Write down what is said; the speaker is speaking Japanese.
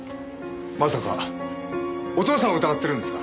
まさかお父さんを疑ってるんですか？